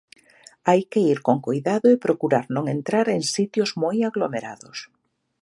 Hai que ir con coidado e procurar non entrar en sitios moi aglomerados.